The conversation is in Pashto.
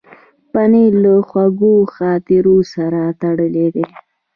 پنېر له خوږو خاطرونو سره تړلی دی.